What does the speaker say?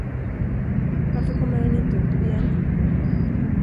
Varför kommer han inte upp igen?